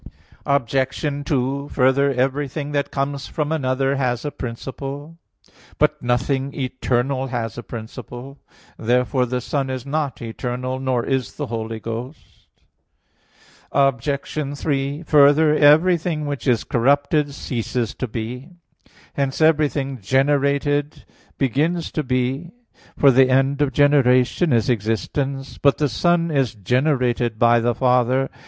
Obj. 2: Further, everything that comes from another has a principle. But nothing eternal has a principle. Therefore the Son is not eternal; nor is the Holy Ghost. Obj. 3: Further, everything which is corrupted ceases to be. Hence everything generated begins to be; for the end of generation is existence. But the Son is generated by the Father.